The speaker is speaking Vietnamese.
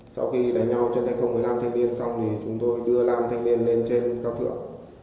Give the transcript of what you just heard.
sau khi đánh nhau trên tay không với nam thanh niên xong thì chúng tôi đưa nam thanh niên lên trên cao thượng